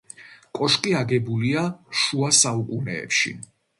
კოშკი აგებულია შუა საუკუნეებში.